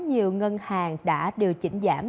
nhiều ngân hàng đã điều chỉnh giảm